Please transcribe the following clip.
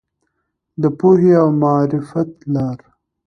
د پوهې او معرفت لاره.